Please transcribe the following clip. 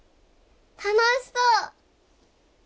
楽しそう！